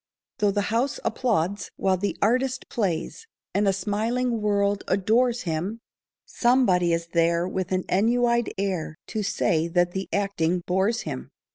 Though the house applauds while the artist plays, And a smiling world adores him, Somebody is there with an ennuied air To say that the acting bores him.